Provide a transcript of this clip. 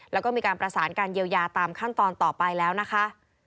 แล้วก็มีการประสานการเยียวยาตามขั้นตอนต่อไปแล้วนะคะ